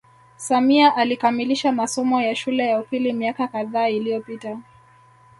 Samia alikamilisha masomo ya shule ya upili miaka kadhaa iliyopita